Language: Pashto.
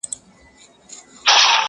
هم قاري سو هم یې ټول قرآن په یاد کړ،